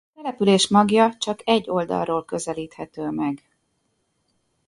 A település magja csak egy oldalról közelíthető meg.